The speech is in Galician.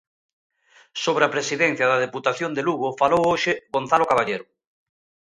Sobre a presidencia da Deputación de Lugo, falou hoxe Gonzalo Caballero.